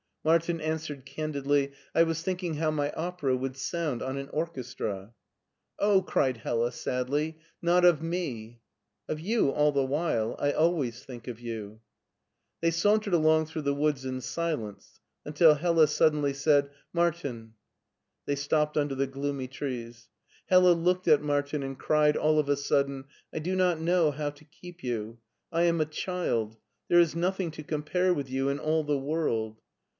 Martin answered candidly. '' I was thinking how iny opera would sound on an orchestra." " Oh !" cried Hella, sadly, '' not of me." Of you all the while ; I always think of yOu/' They sauntered along through the woods in silence, until Hella suddenly said, Martin !" They stopped imder the gloomy trees. Hella looked at Martin and cried all of a sudden, ''I do not know how to keep you! I am a child. There is nothing to compare with you in all the world."